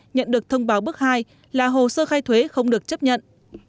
nhận được thông báo bước hai là hồ sơ khai thuế không được chấp nhận